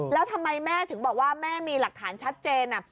แล้วทำไมแม่ถึงบอกว่าแม่มีหลักฐานชัดเจน